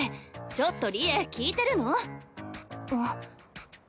ちょっと利恵聞いてるの⁉あっ。